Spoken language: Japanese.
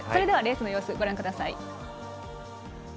ではレースの様子、ご覧ください。